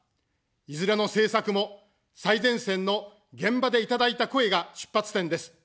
いずれの政策も、最前線の現場でいただいた声が出発点です。